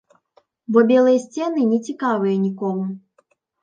Бо белыя сцены не цікавыя нікому.